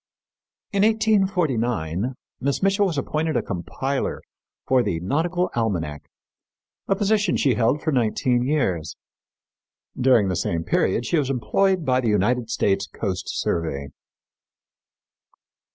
In 1849 Miss Mitchell was appointed a compiler for the Nautical Almanac, a position she held for nineteen years. During the same period she was employed by the United States Coast Survey.